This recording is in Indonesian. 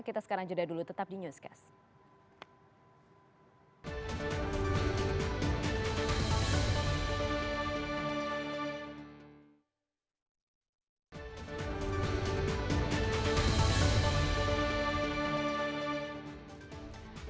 kita sekarang jeda dulu tetap di newscast